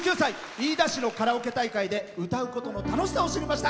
飯田市のカラオケ大会で歌うことの楽しさを知りました。